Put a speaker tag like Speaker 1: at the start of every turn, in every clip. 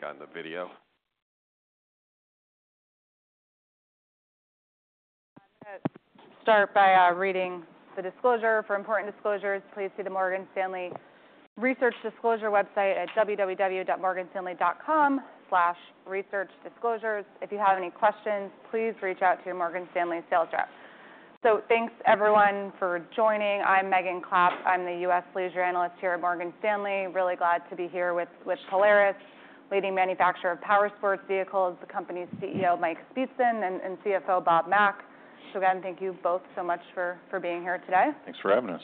Speaker 1: Like on the video?
Speaker 2: I'm going to start by reading the disclosure. For important disclosures, please see the Morgan Stanley Research Disclosure website at www.morganstanley.com/researchdisclosures. If you have any questions, please reach out to your Morgan Stanley sales rep. So thanks, everyone, for joining. I'm Megan Clapp. I'm the U.S. leisure analyst here at Morgan Stanley. Really glad to be here with Polaris, leading manufacturer of power sports vehicles, the company's CEO Mike Speetzen and CFO Bob Mack. So again, thank you both so much for being here today.
Speaker 1: Thanks for having us.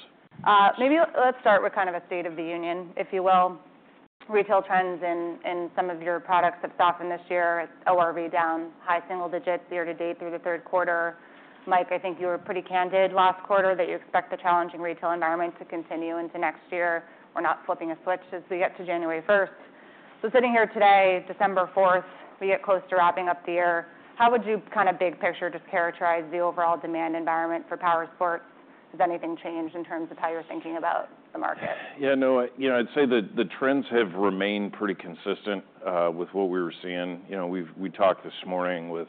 Speaker 2: Maybe let's start with kind of a state of the union, if you will. Retail trends in some of your products have softened this year. ORV down, high single digits year to date through the third quarter. Mike, I think you were pretty candid last quarter that you expect the challenging retail environment to continue into next year. We're not flipping a switch as we get to January 1st. So sitting here today, December 4th, we get close to wrapping up the year. How would you, kind of big picture, just characterize the overall demand environment for power sports? Has anything changed in terms of how you're thinking about the market?
Speaker 1: Yeah, no, I'd say that the trends have remained pretty consistent with what we were seeing. We talked this morning with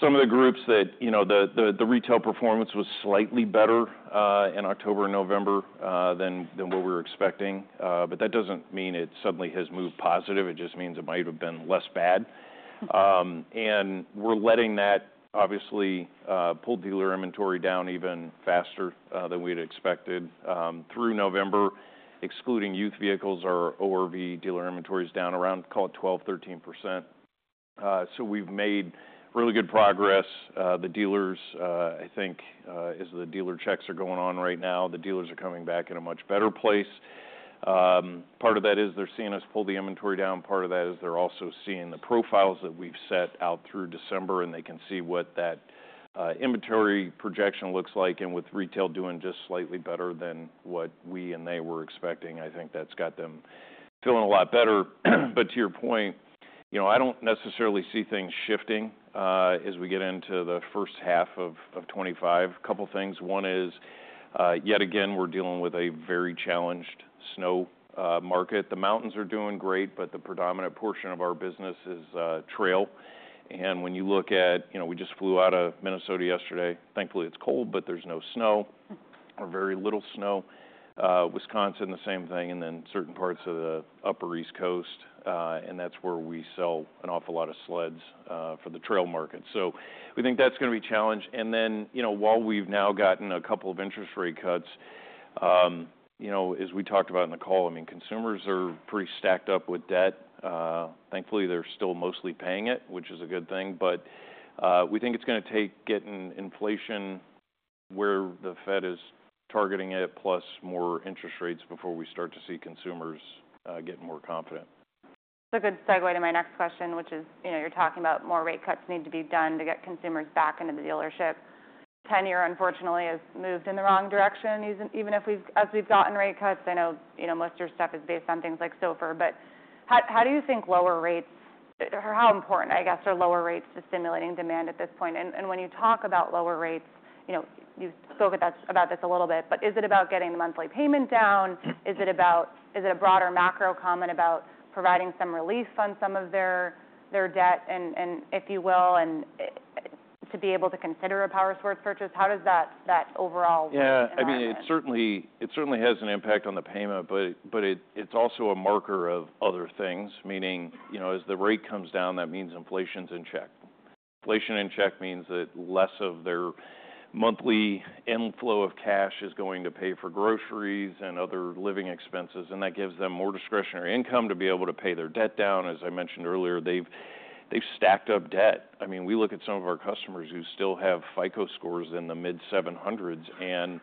Speaker 1: some of the groups that the retail performance was slightly better in October and November than what we were expecting, but that doesn't mean it suddenly has moved positive. It just means it might have been less bad, and we're letting that, obviously, pull dealer inventory down even faster than we'd expected through November. Excluding youth vehicles, our ORV dealer inventory is down around, call it, 12%, 13%, so we've made really good progress. The dealers, I think, as the dealer checks are going on right now, the dealers are coming back in a much better place. Part of that is they're seeing us pull the inventory down. Part of that is they're also seeing the profiles that we've set out through December, and they can see what that inventory projection looks like, and with retail doing just slightly better than what we and they were expecting, I think that's got them feeling a lot better, but to your point, I don't necessarily see things shifting as we get into the first half of 2025. A couple of things. One is, yet again, we're dealing with a very challenged snow market. The mountains are doing great, but the predominant portion of our business is trail, and when you look at, we just flew out of Minnesota yesterday. Thankfully, it's cold, but there's no snow or very little snow. Wisconsin, the same thing, and then certain parts of the Upper East Coast, and that's where we sell an awful lot of sleds for the trail market. So we think that's going to be a challenge. And then while we've now gotten a couple of interest rate cuts, as we talked about in the call, I mean, consumers are pretty stacked up with debt. Thankfully, they're still mostly paying it, which is a good thing. But we think it's going to take getting inflation where the Fed is targeting it, plus more interest rates before we start to see consumers get more confident.
Speaker 2: That's a good segue to my next question, which is you're talking about more rate cuts need to be done to get consumers back into the dealership. 10-year, unfortunately, has moved in the wrong direction. Even as we've gotten rate cuts, I know most of your stuff is based on things like SOFR. But how do you think lower rates or how important, I guess, are lower rates to stimulating demand at this point? And when you talk about lower rates, you spoke about this a little bit, but is it about getting the monthly payment down? Is it a broader macro comment about providing some relief on some of their debt, if you will, and to be able to consider a power sports purchase? How does that overall work?
Speaker 1: Yeah, I mean, it certainly has an impact on the payment, but it's also a marker of other things, meaning as the rate comes down, that means inflation's in check. Inflation in check means that less of their monthly inflow of cash is going to pay for groceries and other living expenses. And that gives them more discretionary income to be able to pay their debt down. As I mentioned earlier, they've stacked up debt. I mean, we look at some of our customers who still have FICO scores in the mid-700s. And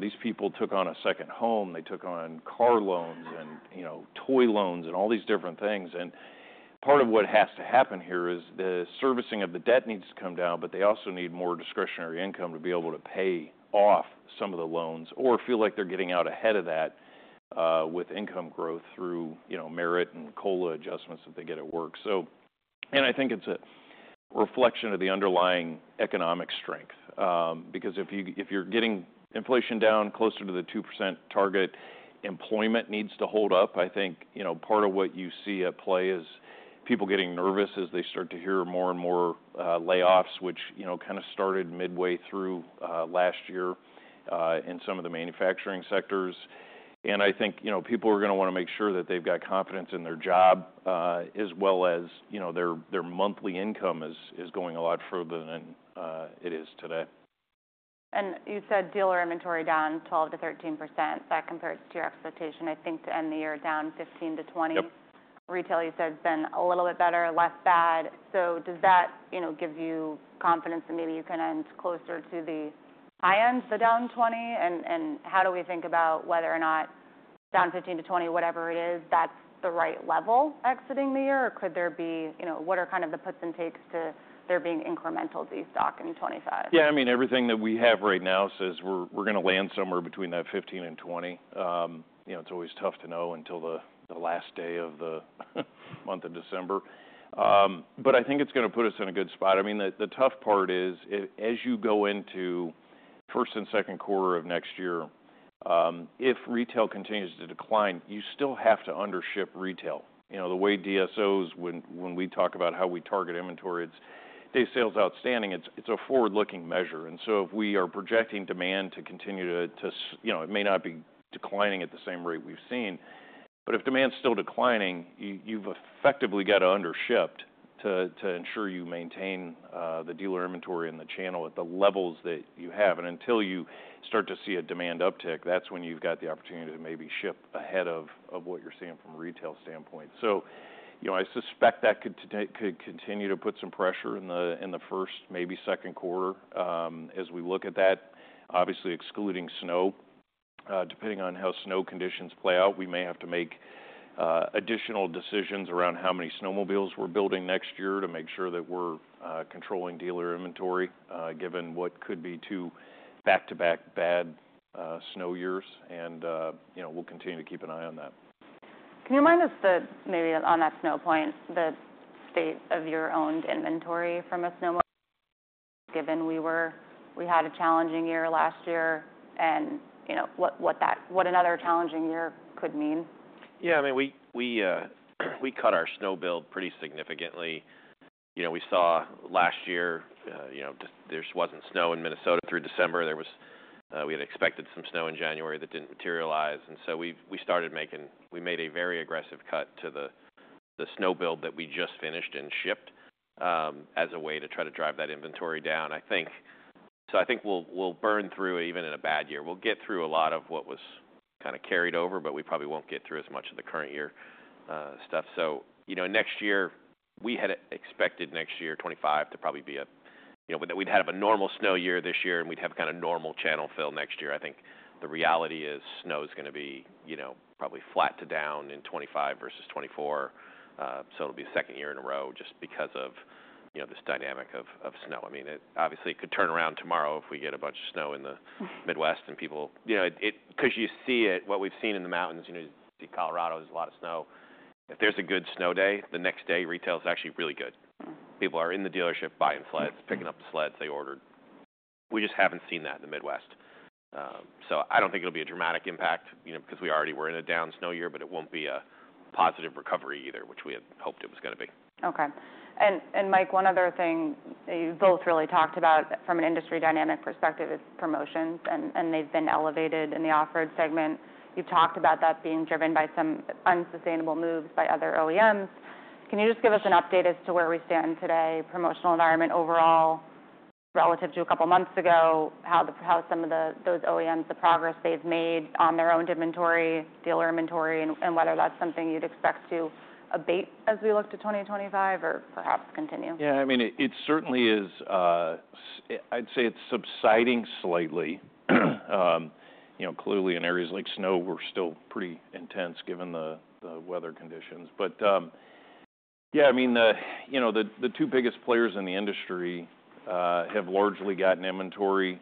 Speaker 1: these people took on a second home. They took on car loans and toy loans and all these different things. And part of what has to happen here is the servicing of the debt needs to come down, but they also need more discretionary income to be able to pay off some of the loans or feel like they're getting out ahead of that with income growth through merit and COLA adjustments that they get at work. And I think it's a reflection of the underlying economic strength. Because if you're getting inflation down closer to the 2% target, employment needs to hold up. I think part of what you see at play is people getting nervous as they start to hear more and more layoffs, which kind of started midway through last year in some of the manufacturing sectors. I think people are going to want to make sure that they've got confidence in their job as well as their monthly income is going a lot further than it is today.
Speaker 2: You said dealer inventory down 12%-13%. That compares to your expectation, I think, to end the year down 15%-20%.
Speaker 1: Yep.
Speaker 2: Retail, you said, has been a little bit better, less bad. So does that give you confidence that maybe you can end closer to the high end, the down 20%? And how do we think about whether or not down 15%-20%, whatever it is, that's the right level exiting the year? Or could there be what are kind of the puts and takes to there being incremental destock in 2025?
Speaker 1: Yeah, I mean, everything that we have right now says we're going to land somewhere between that 15% and 20%. It's always tough to know until the last day of the month of December. But I think it's going to put us in a good spot. I mean, the tough part is, as you go into first and second quarter of next year, if retail continues to decline, you still have to undership retail. The way DSOs, when we talk about how we target inventory, it's day sales outstanding. It's a forward-looking measure. And so if we are projecting demand to continue to, it may not be declining at the same rate we've seen. But if demand's still declining, you've effectively got to undership to ensure you maintain the dealer inventory and the channel at the levels that you have. Until you start to see a demand uptick, that's when you've got the opportunity to maybe ship ahead of what you're seeing from a retail standpoint. I suspect that could continue to put some pressure in the first, maybe second quarter as we look at that, obviously excluding snow. Depending on how snow conditions play out, we may have to make additional decisions around how many snowmobiles we're building next year to make sure that we're controlling dealer inventory given what could be two back-to-back bad snow years. We'll continue to keep an eye on that.
Speaker 2: Can you remind us, maybe on that snow point, the state of your owned inventory from a snowmobile standpoint, given we had a challenging year last year and what another challenging year could mean? Yeah, I mean, we cut our snow build pretty significantly. We saw last year there just wasn't snow in Minnesota through December. We had expected some snow in January that didn't materialize. And so we started making, we made a very aggressive cut to the snow build that we just finished and shipped as a way to try to drive that inventory down. So I think we'll burn through even in a bad year. We'll get through a lot of what was kind of carried over, but we probably won't get through as much of the current year stuff. So next year, we had expected next year, 2025, to probably be a, we'd have a normal snow year this year, and we'd have kind of normal channel fill next year. I think the reality is snow is going to be probably flat to down in 2025 versus 2024. It'll be a second year in a row just because of this dynamic of snow. I mean, obviously, it could turn around tomorrow if we get a bunch of snow in the Midwest, and people, because you see it, what we've seen in the mountains, you see Colorado, there's a lot of snow. If there's a good snow day, the next day, retail's actually really good. People are in the dealership buying sleds, picking up the sleds they ordered. We just haven't seen that in the Midwest. I don't think it'll be a dramatic impact because we already were in a down snow year, but it won't be a positive recovery either, which we had hoped it was going to be. Okay. And Mike, one other thing you both really talked about from an industry dynamic perspective is promotions, and they've been elevated in the off-road segment. You've talked about that being driven by some unsustainable moves by other OEMs. Can you just give us an update as to where we stand today, promotional environment overall relative to a couple of months ago, how some of those OEMs, the progress they've made on their owned inventory, dealer inventory, and whether that's something you'd expect to abate as we look to 2025 or perhaps continue?
Speaker 1: Yeah, I mean, it certainly is. I'd say it's subsiding slightly. Clearly, in areas like snow, we're still pretty intense given the weather conditions. But yeah, I mean, the two biggest players in the industry have largely gotten inventory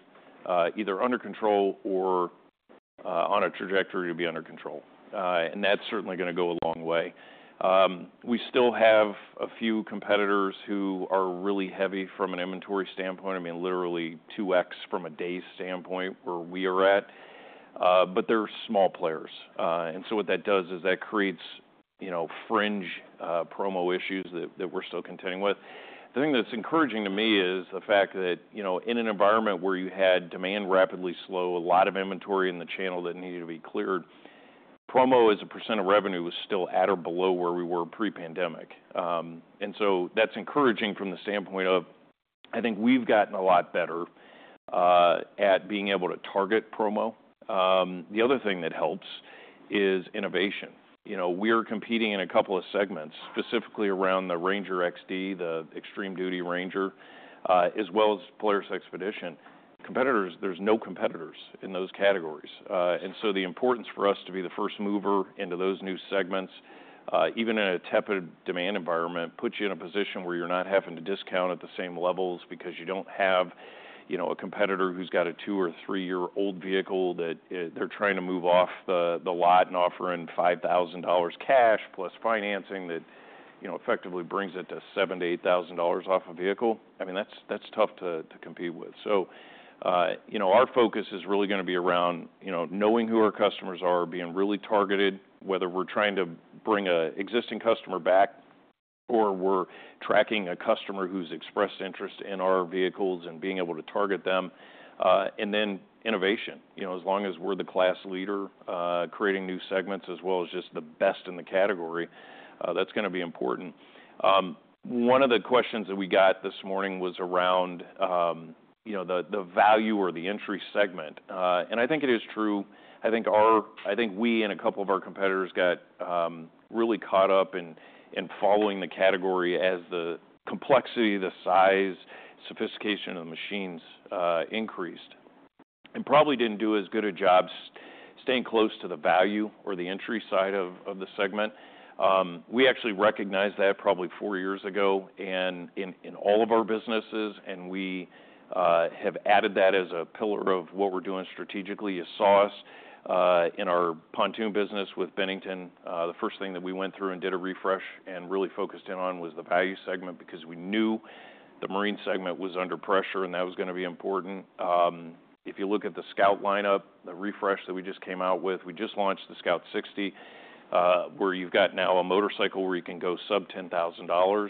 Speaker 1: either under control or on a trajectory to be under control. And that's certainly going to go a long way. We still have a few competitors who are really heavy from an inventory standpoint. I mean, literally 2X from a day standpoint where we are at. But they're small players. And so what that does is that creates fringe promo issues that we're still contending with. The thing that's encouraging to me is the fact that in an environment where you had demand rapidly slow, a lot of inventory in the channel that needed to be cleared, promo as a % of revenue was still at or below where we were pre-pandemic. And so that's encouraging from the standpoint of, I think we've gotten a lot better at being able to target promo. The other thing that helps is innovation. We are competing in a couple of segments, specifically around the Ranger XD, the Extreme Duty Ranger, as well as Polaris XPEDITION. Competitors, there's no competitors in those categories. And so the importance for us to be the first mover into those new segments, even in a tepid demand environment, puts you in a position where you're not having to discount at the same levels because you don't have a competitor who's got a two or three-year-old vehicle that they're trying to move off the lot and offering $5,000 cash plus financing that effectively brings it to $7,000-$8,000 off a vehicle. I mean, that's tough to compete with. So our focus is really going to be around knowing who our customers are, being really targeted, whether we're trying to bring an existing customer back or we're tracking a customer who's expressed interest in our vehicles and being able to target them. And then innovation. As long as we're the class leader creating new segments as well as just the best in the category, that's going to be important. One of the questions that we got this morning was around the value or the entry segment. And I think it is true. I think we and a couple of our competitors got really caught up in following the category as the complexity, the size, sophistication of the machines increased. And probably didn't do as good a job staying close to the value or the entry side of the segment. We actually recognized that probably four years ago in all of our businesses. And we have added that as a pillar of what we're doing strategically. You saw us in our pontoon business with Bennington. The first thing that we went through and did a refresh and really focused in on was the value segment because we knew the marine segment was under pressure and that was going to be important. If you look at the Scout lineup, the refresh that we just came out with, we just launched the Scout Sixty, where you've got now a motorcycle where you can go sub $10,000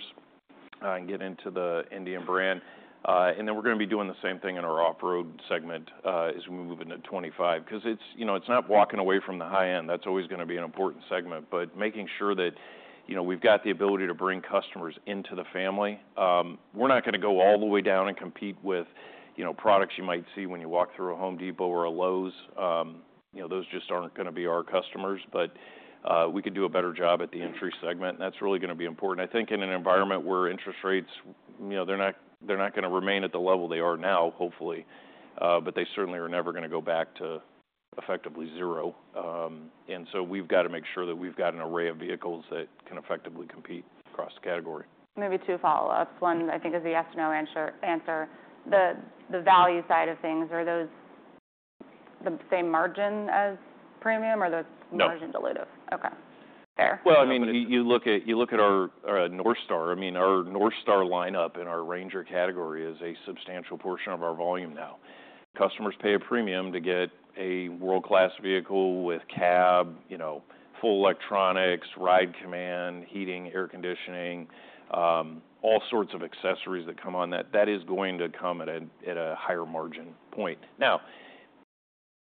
Speaker 1: and get into the Indian brand. And then we're going to be doing the same thing in our off-road segment as we move into 2025. Because it's not walking away from the high end. That's always going to be an important segment. But making sure that we've got the ability to bring customers into the family. We're not going to go all the way down and compete with products you might see when you walk through a Home Depot or a Lowe's. Those just aren't going to be our customers. But we could do a better job at the entry segment. And that's really going to be important. I think in an environment where interest rates, they're not going to remain at the level they are now, hopefully, but they certainly are never going to go back to effectively zero. And so we've got to make sure that we've got an array of vehicles that can effectively compete across the category.
Speaker 2: Maybe two follow-ups. One, I think is a yes or no answer. The value side of things, are those the same margin as premium or are those margin dilutive?
Speaker 1: No.
Speaker 2: Okay. Fair.
Speaker 1: I mean, you look at our NorthStar. I mean, our NorthStar lineup in our Ranger category is a substantial portion of our volume now. Customers pay a premium to get a world-class vehicle with cab, full electronics, Ride Command, heating, air conditioning, all sorts of accessories that come on that. That is going to come at a higher margin point. Now,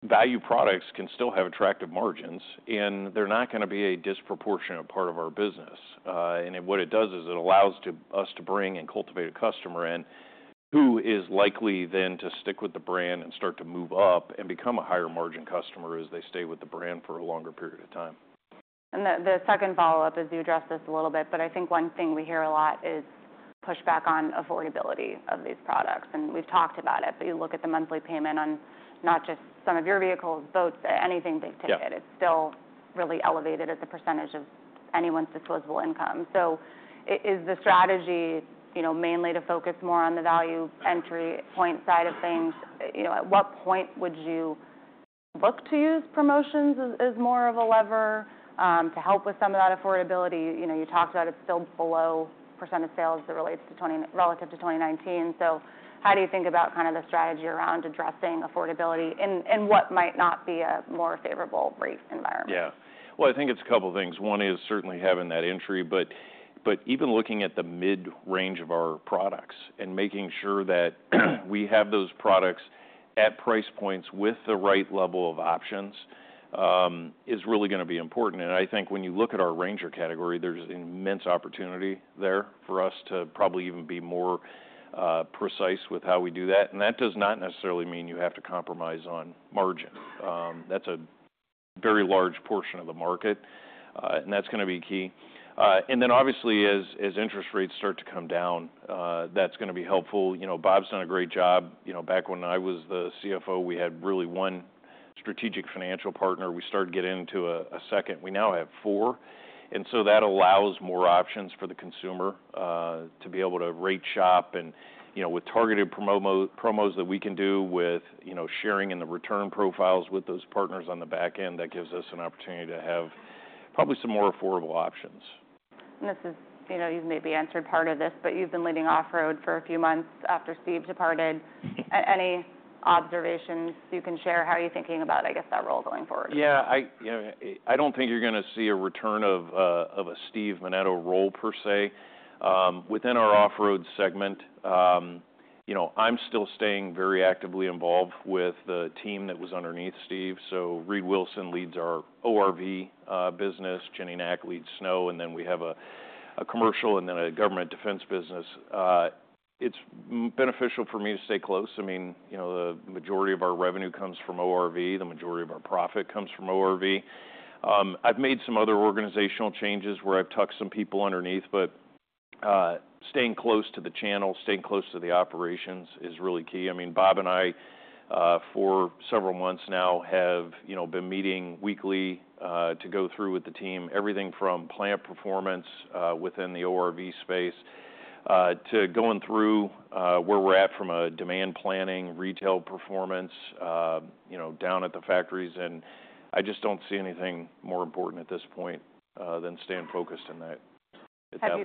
Speaker 1: value products can still have attractive margins, and they're not going to be a disproportionate part of our business, and what it does is it allows us to bring and cultivate a customer in who is likely then to stick with the brand and start to move up and become a higher margin customer as they stay with the brand for a longer period of time.
Speaker 2: And the second follow-up, as you addressed this a little bit, but I think one thing we hear a lot is pushback on affordability of these products. And we've talked about it, but you look at the monthly payment on not just some of your vehicles, boats, anything big ticket. It's still really elevated as a percentage of anyone's disposable income. So is the strategy mainly to focus more on the value entry point side of things? At what point would you look to use promotions as more of a lever to help with some of that affordability? You talked about it's still below percent of sales that relates relative to 2019. So how do you think about kind of the strategy around addressing affordability and what might not be a more favorable rate environment?
Speaker 1: Yeah. Well, I think it's a couple of things. One is certainly having that entry, but even looking at the mid-range of our products and making sure that we have those products at price points with the right level of options is really going to be important. And I think when you look at our Ranger category, there's an immense opportunity there for us to probably even be more precise with how we do that. And that does not necessarily mean you have to compromise on margin. That's a very large portion of the market, and that's going to be key. And then obviously, as interest rates start to come down, that's going to be helpful. Bob's done a great job. Back when I was the CFO, we had really one strategic financial partner. We started getting into a second. We now have four. And so that allows more options for the consumer to be able to rate shop. And with targeted promos that we can do with sharing in the return profiles with those partners on the back end, that gives us an opportunity to have probably some more affordable options.
Speaker 2: This is, you maybe answered part of this, but you've been leading off-road for a few months after Steve departed. Any observations you can share? How are you thinking about, I guess, that role going forward?
Speaker 1: Yeah. I don't think you're going to see a return of a Steve Menneto role per se. Within our off-road segment, I'm still staying very actively involved with the team that was underneath Steve. So Reid Wilson leads our ORV business. Jennie Nack I mean, Bob and I, for several months now, have been meeting weekly to go through with the team, everything from plant performance within the ORV space to going through where we're at from a demand planning, retail performance down at the factories, and I just don't see anything more important at this point than staying focused in that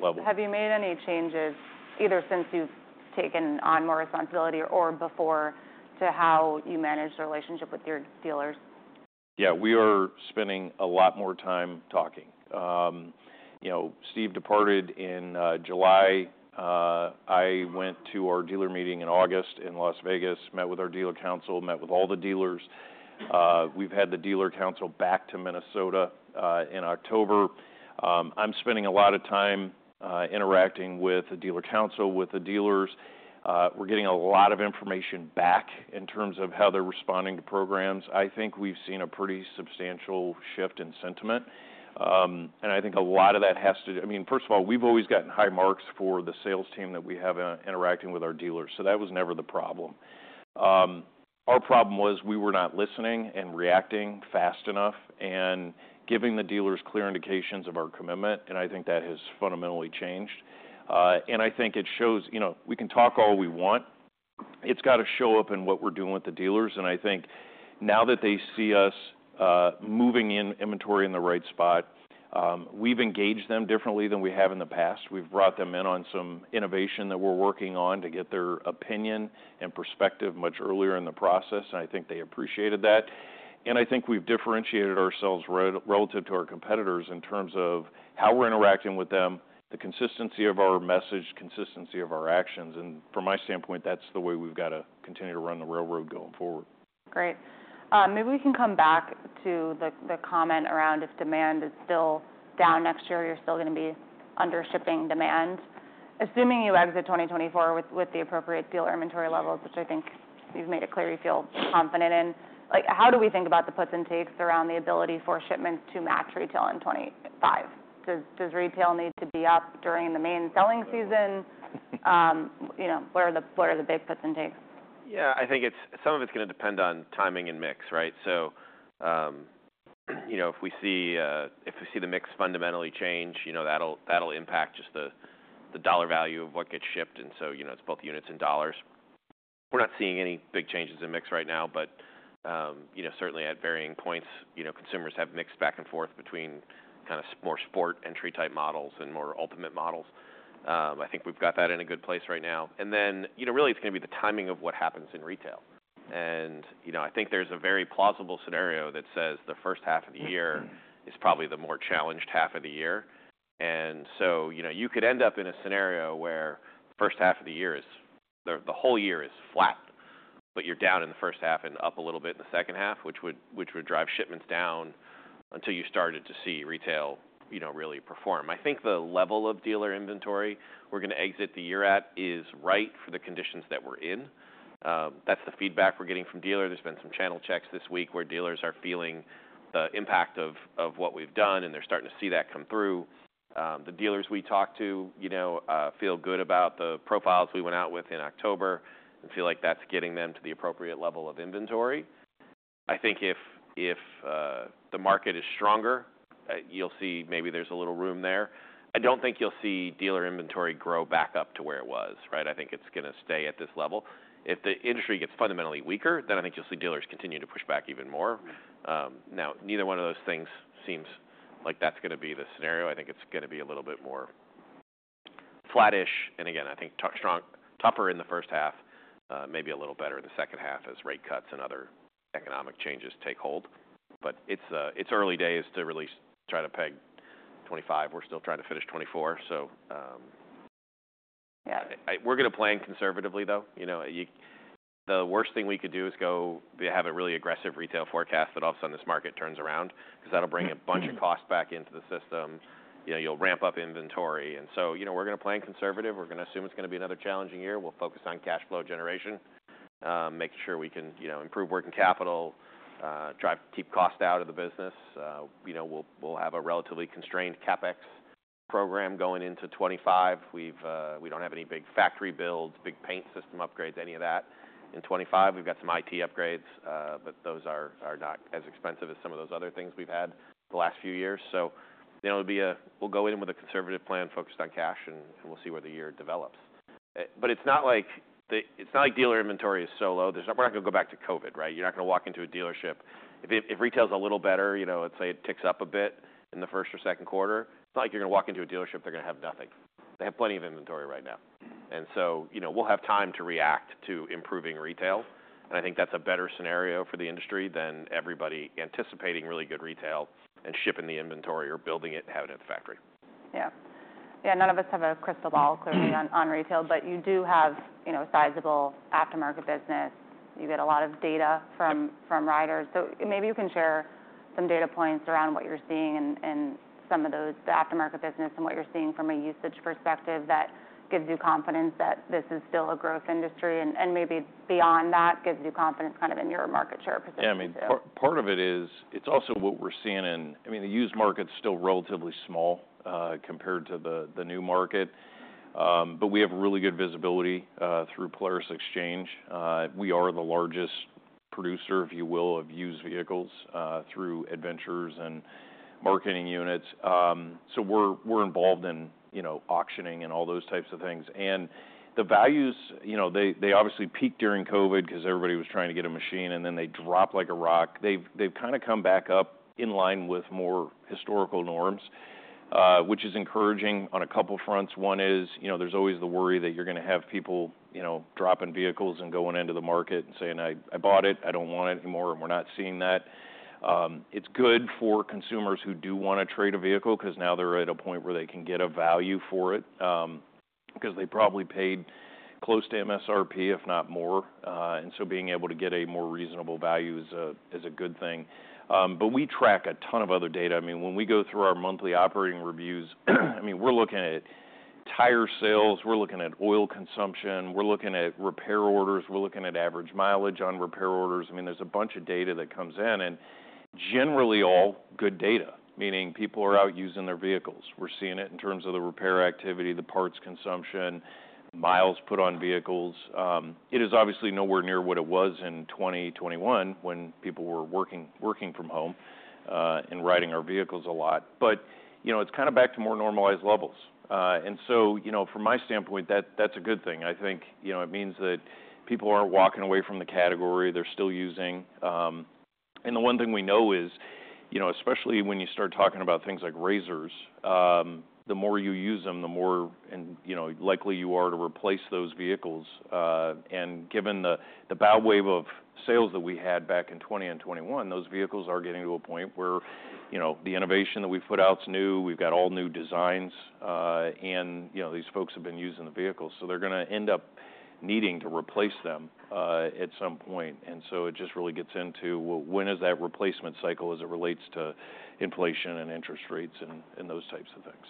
Speaker 1: level.
Speaker 2: Have you made any changes either since you've taken on more responsibility or before to how you manage the relationship with your dealers?
Speaker 1: Yeah. We are spending a lot more time talking. Steve departed in July. I went to our dealer meeting in August in Las Vegas, met with our dealer council, met with all the dealers. We've had the dealer council back to Minnesota in October. I'm spending a lot of time interacting with the dealer council, with the dealers. We're getting a lot of information back in terms of how they're responding to programs. I think we've seen a pretty substantial shift in sentiment, and I think a lot of that has to do, I mean, first of all, we've always gotten high marks for the sales team that we have interacting with our dealers. So that was never the problem. Our problem was we were not listening and reacting fast enough and giving the dealers clear indications of our commitment, and I think that has fundamentally changed. I think it shows. We can talk all we want. It's got to show up in what we're doing with the dealers. And I think now that they see us moving in inventory in the right spot, we've engaged them differently than we have in the past. We've brought them in on some innovation that we're working on to get their opinion and perspective much earlier in the process. And I think they appreciated that. And I think we've differentiated ourselves relative to our competitors in terms of how we're interacting with them, the consistency of our message, consistency of our actions. And from my standpoint, that's the way we've got to continue to run the railroad going forward.
Speaker 2: Great. Maybe we can come back to the comment around if demand is still down next year or you're still going to be under shipping demand. Assuming you exit 2024 with the appropriate dealer inventory levels, which I think you've made it clear you feel confident in, how do we think about the puts and takes around the ability for shipments to match retail in 2025? Does retail need to be up during the main selling season? What are the big puts and takes?
Speaker 3: Yeah. I think some of it's going to depend on timing and mix, right? So if we see the mix fundamentally change, that'll impact just the dollar value of what gets shipped. And so it's both units and dollars. We're not seeing any big changes in mix right now, but certainly at varying points, consumers have mixed back and forth between kind of more sport entry-type models and more ultimate models. I think we've got that in a good place right now. And then really, it's going to be the timing of what happens in retail. And I think there's a very plausible scenario that says the first half of the year is probably the more challenged half of the year. And so you could end up in a scenario where the first half of the year, the whole year is flat, but you're down in the first half and up a little bit in the second half, which would drive shipments down until you started to see retail really perform. I think the level of dealer inventory we're going to exit the year at is right for the conditions that we're in. That's the feedback we're getting from dealers. There's been some channel checks this week where dealers are feeling the impact of what we've done, and they're starting to see that come through. The dealers we talked to feel good about the profiles we went out with in October and feel like that's getting them to the appropriate level of inventory. I think if the market is stronger, you'll see maybe there's a little room there. I don't think you'll see dealer inventory grow back up to where it was, right? I think it's going to stay at this level. If the industry gets fundamentally weaker, then I think you'll see dealers continue to push back even more. Now, neither one of those things seems like that's going to be the scenario. I think it's going to be a little bit more flattish. And again, I think tougher in the first half, maybe a little better in the second half as rate cuts and other economic changes take hold. But it's early days to really try to peg 2025. We're still trying to finish 2024. So we're going to play conservatively, though. The worst thing we could do is have a really aggressive retail forecast that all of a sudden this market turns around because that'll bring a bunch of costs back into the system. You'll ramp up inventory. So we're going to play conservative. We're going to assume it's going to be another challenging year. We'll focus on cash flow generation, make sure we can improve working capital, keep costs out of the business. We'll have a relatively constrained CapEx program going into 2025. We don't have any big factory builds, big paint system upgrades, any of that. In 2025, we've got some IT upgrades, but those are not as expensive as some of those other things we've had the last few years. It'll be a conservative plan focused on cash, and we'll see where the year develops. It's not like dealer inventory is so low. We're not going to go back to COVID, right? You're not going to walk into a dealership. If retail's a little better, let's say it ticks up a bit in the first or second quarter, it's not like you're going to walk into a dealership. They're going to have nothing. They have plenty of inventory right now. And so we'll have time to react to improving retail. And I think that's a better scenario for the industry than everybody anticipating really good retail and shipping the inventory or building it and having it at the factory.
Speaker 2: Yeah. Yeah. None of us have a crystal ball, clearly, on retail, but you do have sizable aftermarket business. You get a lot of data from riders. So maybe you can share some data points around what you're seeing in some of the aftermarket business and what you're seeing from a usage perspective that gives you confidence that this is still a growth industry and maybe beyond that gives you confidence kind of in your market share position?
Speaker 1: Yeah. I mean, part of it is it's also what we're seeing in, I mean, the used market's still relatively small compared to the new market, but we have really good visibility through Polaris Xchange. We are the largest producer, if you will, of used vehicles through Adventures and marketing units. So we're involved in auctioning and all those types of things. And the values, they obviously peaked during COVID because everybody was trying to get a machine, and then they dropped like a rock. They've kind of come back up in line with more historical norms, which is encouraging on a couple of fronts. One is there's always the worry that you're going to have people dropping vehicles and going into the market and saying, "I bought it. I don't want it anymore." And we're not seeing that. It's good for consumers who do want to trade a vehicle because now they're at a point where they can get a value for it because they probably paid close to MSRP, if not more. And so being able to get a more reasonable value is a good thing. But we track a ton of other data. I mean, when we go through our monthly operating reviews, I mean, we're looking at tire sales. We're looking at oil consumption. We're looking at repair orders. We're looking at average mileage on repair orders. I mean, there's a bunch of data that comes in and generally all good data, meaning people are out using their vehicles. We're seeing it in terms of the repair activity, the parts consumption, miles put on vehicles. It is obviously nowhere near what it was in 2021 when people were working from home and riding our vehicles a lot. But it's kind of back to more normalized levels, and so from my standpoint, that's a good thing. I think it means that people aren't walking away from the category. They're still using, and the one thing we know is, especially when you start talking about things like RZRs, the more you use them, the more likely you are to replace those vehicles. And given the bow wave of sales that we had back in 2020 and 2021, those vehicles are getting to a point where the innovation that we've put out's new. We've got all new designs, and these folks have been using the vehicles, so they're going to end up needing to replace them at some point. And so it just really gets into, well, when is that replacement cycle as it relates to inflation and interest rates and those types of things?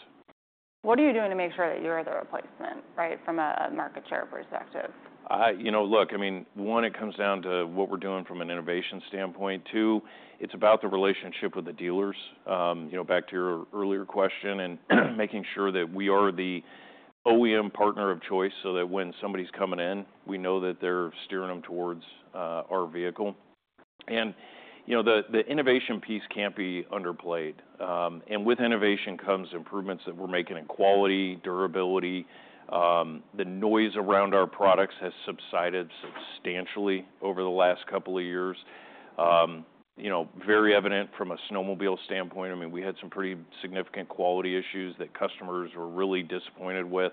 Speaker 2: What are you doing to make sure that you're the replacement, right, from a market share perspective?
Speaker 1: Look, I mean, one, it comes down to what we're doing from an innovation standpoint. Two, it's about the relationship with the dealers. Back to your earlier question and making sure that we are the OEM partner of choice so that when somebody's coming in, we know that they're steering them towards our vehicle. And the innovation piece can't be underplayed. And with innovation comes improvements that we're making in quality, durability. The noise around our products has subsided substantially over the last couple of years. Very evident from a snowmobile standpoint. I mean, we had some pretty significant quality issues that customers were really disappointed with.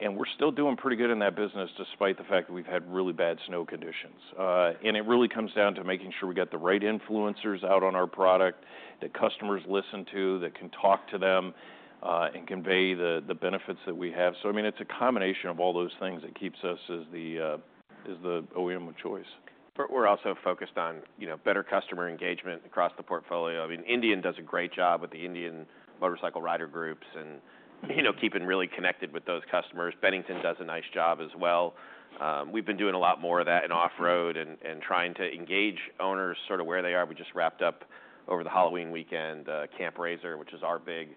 Speaker 1: And we're still doing pretty good in that business despite the fact that we've had really bad snow conditions. And it really comes down to making sure we get the right influencers out on our product that customers listen to, that can talk to them and convey the benefits that we have. So I mean, it's a combination of all those things that keeps us as the OEM of choice.
Speaker 3: We're also focused on better customer engagement across the portfolio. I mean, Indian does a great job with the Indian Motorcycle rider groups and keeping really connected with those customers. Bennington does a nice job as well. We've been doing a lot more of that in off-road and trying to engage owners sort of where they are. We just wrapped up over the Halloween weekend Camp RZR, which is our big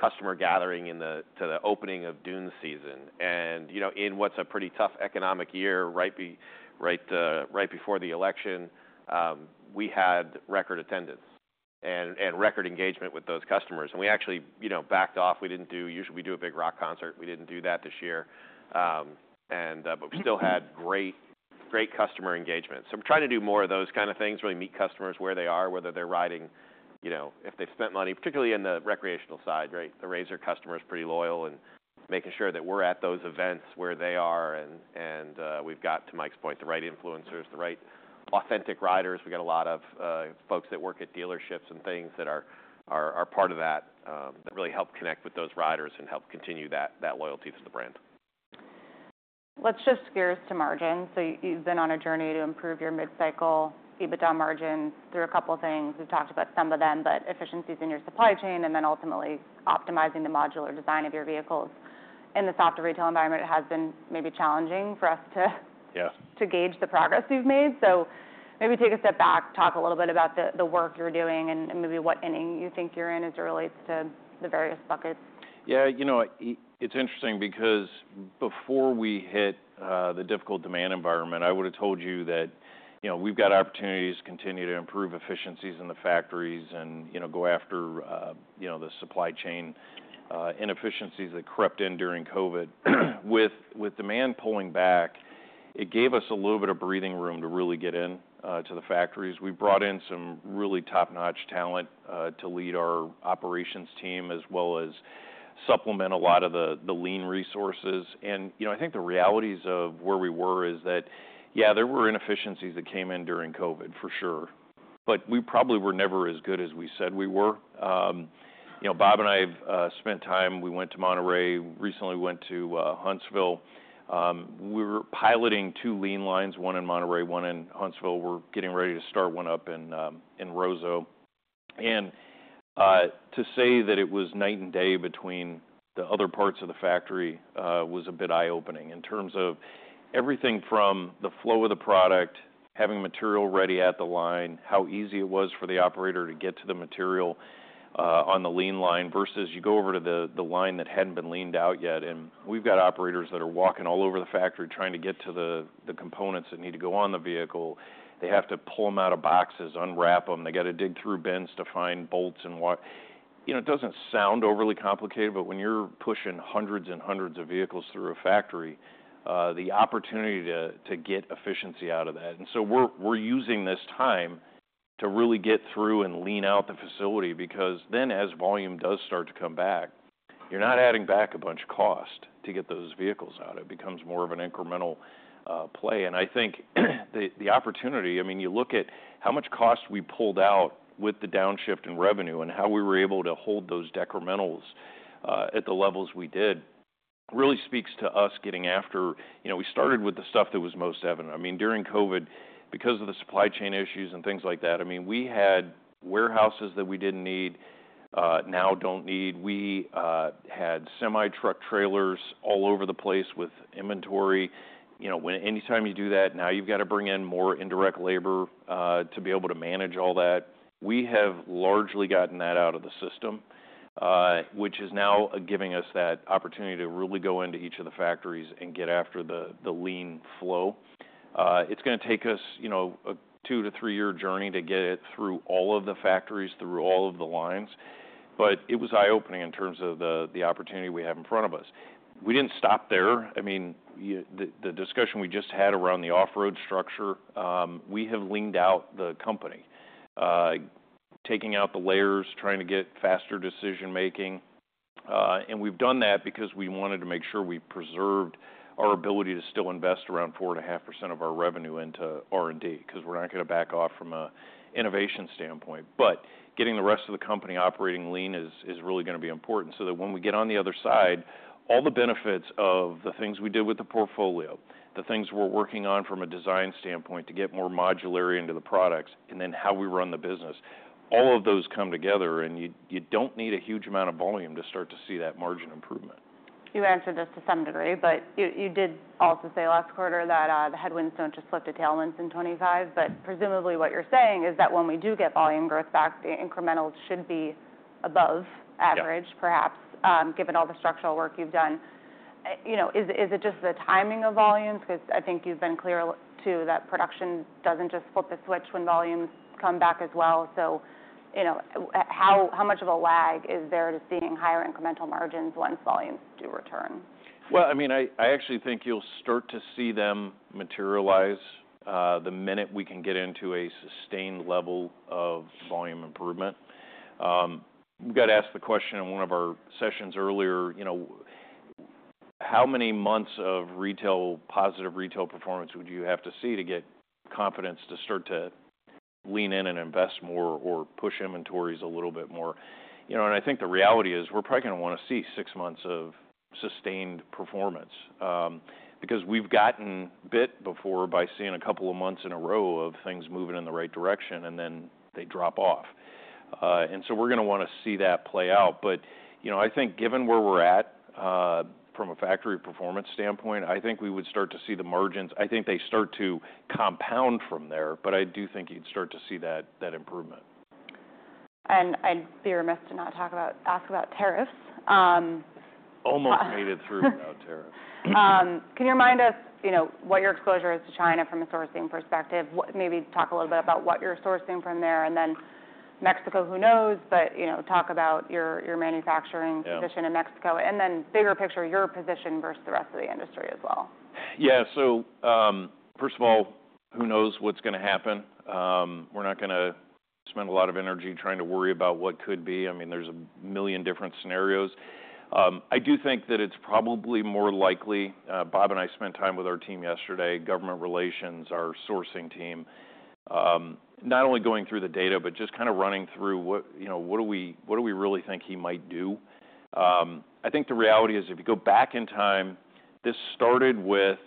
Speaker 3: customer gathering to the opening of dune season. In what's a pretty tough economic year right before the election, we had record attendance and record engagement with those customers. We actually backed off. We didn't do. Usually we do a big rock concert. We didn't do that this year. But we still had great customer engagement. So we're trying to do more of those kind of things, really meet customers where they are, whether they're riding, if they've spent money, particularly in the recreational side, right? The RZR customer is pretty loyal and making sure that we're at those events where they are. And we've got, to Mike's point, the right influencers, the right authentic riders. We got a lot of folks that work at dealerships and things that are part of that that really help connect with those riders and help continue that loyalty to the brand.
Speaker 2: Let's shift gears to margin. So you've been on a journey to improve your mid-cycle EBITDA margin through a couple of things. We've talked about some of them, but efficiencies in your supply chain and then ultimately optimizing the modular design of your vehicles. In the soft retail environment, it has been maybe challenging for us to gauge the progress you've made. So maybe take a step back, talk a little bit about the work you're doing and maybe what inning you think you're in as it relates to the various buckets.
Speaker 1: Yeah. It's interesting because before we hit the difficult demand environment, I would have told you that we've got opportunities to continue to improve efficiencies in the factories and go after the supply chain inefficiencies that crept in during COVID. With demand pulling back, it gave us a little bit of breathing room to really get into the factories. We brought in some really top-notch talent to lead our operations team as well as supplement a lot of the lean resources. And I think the realities of where we were is that, yeah, there were inefficiencies that came in during COVID, for sure. But we probably were never as good as we said we were. Bob and I have spent time. We went to Monterrey. Recently, we went to Huntsville. We were piloting two lean lines, one in Monterrey, one in Huntsville. We're getting ready to start one up in Roseau. And to say that it was night and day between the other parts of the factory was a bit eye-opening in terms of everything from the flow of the product, having material ready at the line, how easy it was for the operator to get to the material on the lean line versus you go over to the line that hadn't been leaned out yet. And we've got operators that are walking all over the factory trying to get to the components that need to go on the vehicle. They have to pull them out of boxes, unwrap them. They got to dig through bins to find bolts and what. It doesn't sound overly complicated, but when you're pushing hundreds and hundreds of vehicles through a factory, the opportunity to get efficiency out of that. And so we're using this time to really get through and lean out the facility because then as volume does start to come back, you're not adding back a bunch of cost to get those vehicles out. It becomes more of an incremental play. And I think the opportunity, I mean, you look at how much cost we pulled out with the downshift in revenue and how we were able to hold those decrementals at the levels we did really speaks to us getting after. We started with the stuff that was most evident. I mean, during COVID, because of the supply chain issues and things like that, I mean, we had warehouses that we didn't need, now don't need. We had semi-truck trailers all over the place with inventory. Anytime you do that, now you've got to bring in more indirect labor to be able to manage all that. We have largely gotten that out of the system, which is now giving us that opportunity to really go into each of the factories and get after the lean flow. It's going to take us a two- to three-year journey to get it through all of the factories, through all of the lines. But it was eye-opening in terms of the opportunity we have in front of us. We didn't stop there. I mean, the discussion we just had around the off-road structure, we have leaned out the company, taking out the layers, trying to get faster decision-making, and we've done that because we wanted to make sure we preserved our ability to still invest around 4.5% of our revenue into R&D because we're not going to back off from an innovation standpoint. Getting the rest of the company operating lean is really going to be important so that when we get on the other side, all the benefits of the things we did with the portfolio, the things we're working on from a design standpoint to get more modularity into the products, and then how we run the business, all of those come together, and you don't need a huge amount of volume to start to see that margin improvement.
Speaker 2: You answered this to some degree, but you did also say last quarter that the headwinds don't just flip to tailwinds in 2025. But presumably what you're saying is that when we do get volume growth back, the incrementals should be above average, perhaps, given all the structural work you've done. Is it just the timing of volumes? Because I think you've been clear too that production doesn't just flip a switch when volumes come back as well. So how much of a lag is there to seeing higher incremental margins once volumes do return?
Speaker 1: I mean, I actually think you'll start to see them materialize the minute we can get into a sustained level of volume improvement. We got asked the question in one of our sessions earlier, how many months of positive retail performance would you have to see to get confidence to start to lean in and invest more or push inventories a little bit more? I think the reality is we're probably going to want to see six months of sustained performance because we've gotten bit before by seeing a couple of months in a row of things moving in the right direction, and then they drop off. We're going to want to see that play out. I think given where we're at from a factory performance standpoint, I think we would start to see the margins. I think they start to compound from there, but I do think you'd start to see that improvement.
Speaker 2: I'd be remiss to not ask about tariffs.
Speaker 1: Almost made it through without tariffs.
Speaker 2: Can you remind us what your exposure is to China from a sourcing perspective? Maybe talk a little bit about what you're sourcing from there. And then Mexico, who knows, but talk about your manufacturing position in Mexico. And then bigger picture, your position versus the rest of the industry as well.
Speaker 1: Yeah. So first of all, who knows what's going to happen? We're not going to spend a lot of energy trying to worry about what could be. I mean, there's a million different scenarios. I do think that it's probably more likely. Bob and I spent time with our team yesterday, government relations, our sourcing team, not only going through the data, but just kind of running through what do we really think he might do. I think the reality is if you go back in time, this started with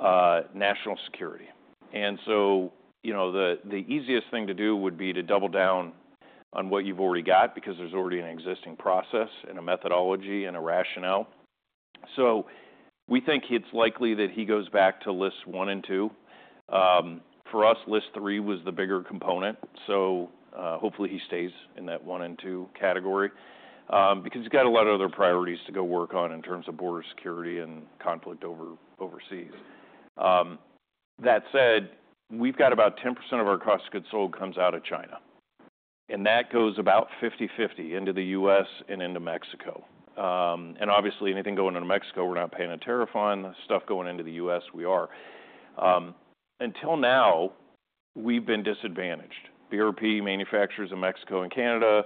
Speaker 1: national security. And so the easiest thing to do would be to double down on what you've already got because there's already an existing process and a methodology and a rationale. So we think it's likely that he goes back to list one and two. For us, list three was the bigger component. So hopefully he stays in that one and two category because he's got a lot of other priorities to go work on in terms of border security and conflict overseas. That said, we've got about 10% of our cost of goods sold comes out of China. And that goes about 50/50 into the U.S. and into Mexico. And obviously, anything going into Mexico, we're not paying a tariff on. Stuff going into the U.S., we are. Until now, we've been disadvantaged. BRP manufacturers in Mexico and Canada.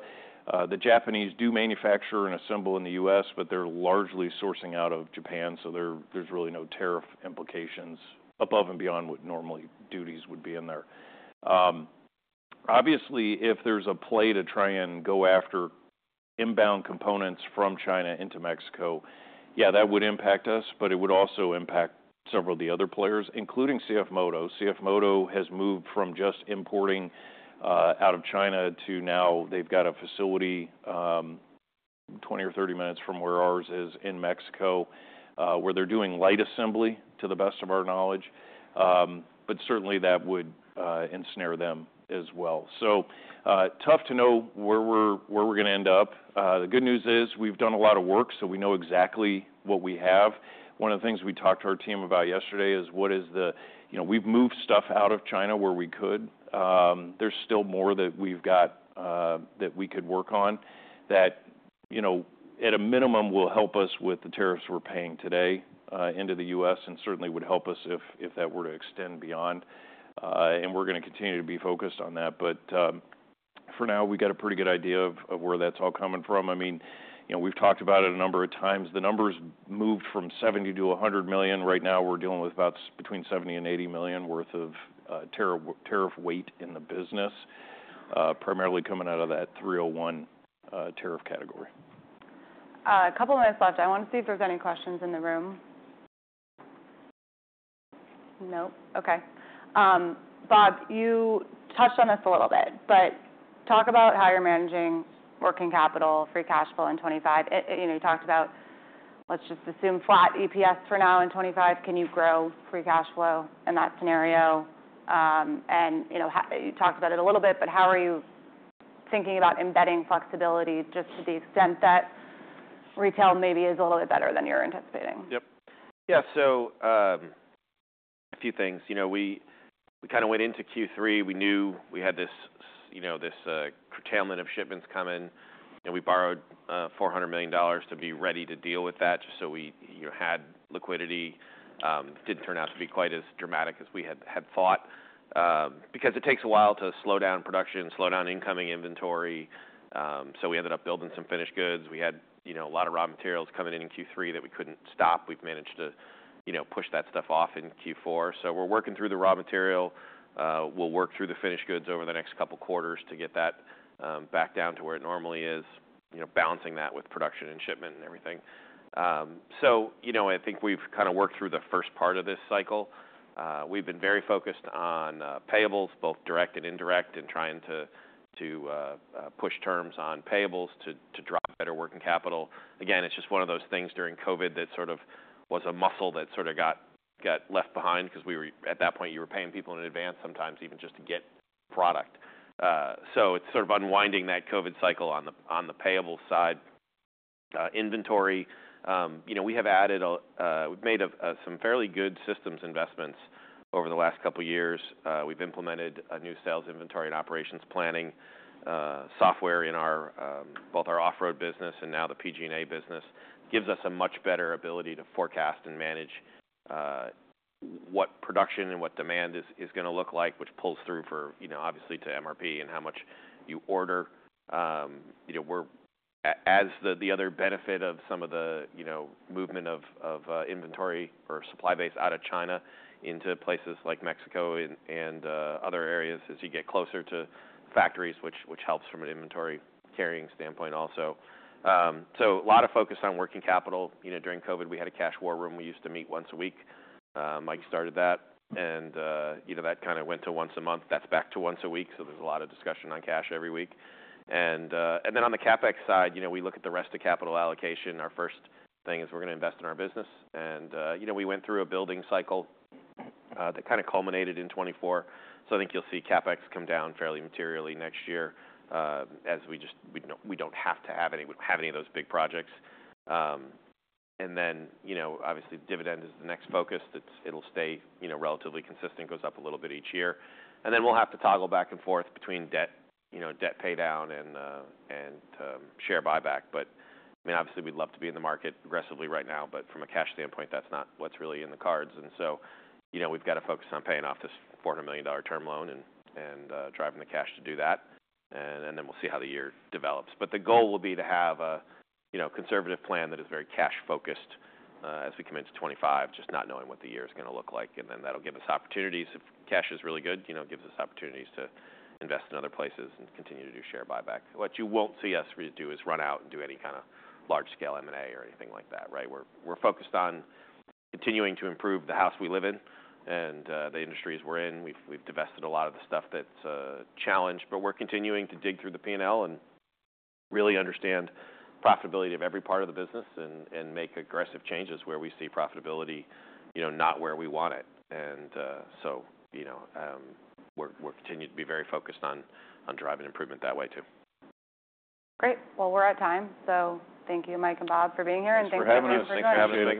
Speaker 1: The Japanese do manufacture and assemble in the U.S., but they're largely sourcing out of Japan. So there's really no tariff implications above and beyond what normally duties would be in there. Obviously, if there's a play to try and go after inbound components from China into Mexico, yeah, that would impact us, but it would also impact several of the other players, including CFMOTO. CFMOTO has moved from just importing out of China to now they've got a facility 20 or 30 minutes from where ours is in Mexico where they're doing light assembly to the best of our knowledge. But certainly, that would ensnare them as well. So tough to know where we're going to end up. The good news is we've done a lot of work, so we know exactly what we have. One of the things we talked to our team about yesterday is what we've moved stuff out of China where we could. There's still more that we've got that we could work on that at a minimum will help us with the tariffs we're paying today into the U.S. and certainly would help us if that were to extend beyond, and we're going to continue to be focused on that, but for now, we've got a pretty good idea of where that's all coming from. I mean, we've talked about it a number of times. The numbers moved from $70 million to $100 million. Right now, we're dealing with about between $70 million and $80 million worth of tariff weight in the business, primarily coming out of that 301 tariff category.
Speaker 2: A couple of minutes left. I want to see if there's any questions in the room. Nope. Okay. Bob, you touched on this a little bit, but talk about how you're managing working capital, free cash flow in 2025. You talked about, let's just assume, flat EPS for now in 2025. Can you grow free cash flow in that scenario? And you talked about it a little bit, but how are you thinking about embedding flexibility just to the extent that retail maybe is a little bit better than you're anticipating?
Speaker 3: Yep. Yeah. So a few things. We kind of went into Q3. We knew we had this curtailment of shipments coming. We borrowed $400 million to be ready to deal with that just so we had liquidity. Didn't turn out to be quite as dramatic as we had thought because it takes a while to slow down production, slow down incoming inventory. So we ended up building some finished goods. We had a lot of raw materials coming in in Q3 that we couldn't stop. We've managed to push that stuff off in Q4. So we're working through the raw material. We'll work through the finished goods over the next couple of quarters to get that back down to where it normally is, balancing that with production and shipment and everything. So I think we've kind of worked through the first part of this cycle. We've been very focused on payables, both direct and indirect, and trying to push terms on payables to drop better working capital. Again, it's just one of those things during COVID that sort of was a muscle that sort of got left behind because at that point, you were paying people in advance sometimes even just to get product. So it's sort of unwinding that COVID cycle on the payables side. Inventory, we've made some fairly good systems investments over the last couple of years. We've implemented a new sales inventory and operations planning software in both our off-road business and now the PG&A business. It gives us a much better ability to forecast and manage what production and what demand is going to look like, which pulls through for obviously to MRP and how much you order. As the other benefit of some of the movement of inventory or supply base out of China into places like Mexico and other areas as you get closer to factories, which helps from an inventory carrying standpoint also. So a lot of focus on working capital. During COVID, we had a cash war room. We used to meet once a week. Mike started that. And that kind of went to once a month. That's back to once a week. So there's a lot of discussion on cash every week. And then on the CapEx side, we look at the rest of capital allocation. Our first thing is we're going to invest in our business. And we went through a building cycle that kind of culminated in 2024. So I think you'll see CapEx come down fairly materially next year as we don't have to have any of those big projects. And then obviously, dividend is the next focus. It'll stay relatively consistent, goes up a little bit each year. And then we'll have to toggle back and forth between debt pay down and share buyback. But I mean, obviously, we'd love to be in the market aggressively right now, but from a cash standpoint, that's not what's really in the cards. And so we've got to focus on paying off this $400 million term loan and driving the cash to do that. And then we'll see how the year develops. But the goal will be to have a conservative plan that is very cash-focused as we come into 2025, just not knowing what the year is going to look like. And then that'll give us opportunities. If cash is really good, it gives us opportunities to invest in other places and continue to do share buyback. What you won't see us do is run out and do any kind of large-scale M&A or anything like that, right? We're focused on continuing to improve the house we live in and the industries we're in. We've divested a lot of the stuff that's challenged, but we're continuing to dig through the P&L and really understand profitability of every part of the business and make aggressive changes where we see profitability, not where we want it. And so we'll continue to be very focused on driving improvement that way too.
Speaker 2: Great. Well, we're at time. So thank you, Mike and Bob, for being here, and thank you for having us.
Speaker 3: Thanks for having us.